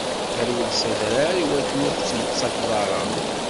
Rwel s adrar iwakken ur tettmettateḍ ara.